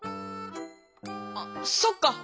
あっそっか！